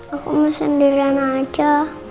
aku mau sendirian aja